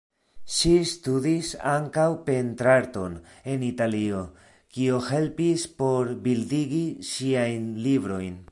Ŝi studis ankaŭ pentrarton en Italio, kio helpis por bildigi ŝiajn librojn.